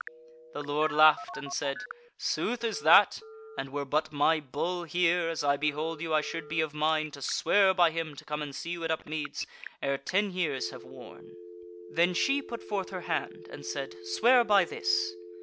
The Lord laughed and said: "Sooth is that; and were but my Bull here, as I behold you I should be of mind to swear by him to come and see you at Upmeads ere ten years have worn." Then she put forth her hand and said: "Swear by this!"